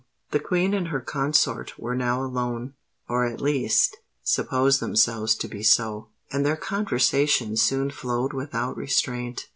The Queen and her consort were now alone—or at least, supposed themselves to be so; and their conversation soon flowed without restraint.